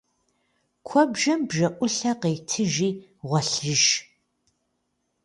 Куэбжэм бжэӏулъэ къетыжи гъуэлъыж.